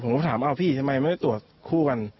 ผมก็ถามเอาพี่ทำไมไม่ได้ตรวจคู่กัน